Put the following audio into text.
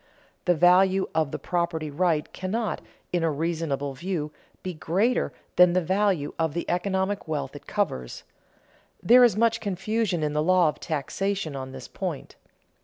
The value of the property right cannot, in a reasonable view, be greater than the value of the economic wealth it covers. There is much confusion in the law of taxation on this point.